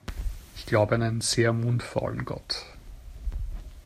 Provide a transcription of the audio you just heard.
Ich glaube an einen sehr mundfaulen Gott.